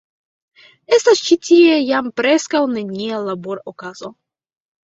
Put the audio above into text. Estas ĉi tie jam preskaŭ nenia labor-okazo.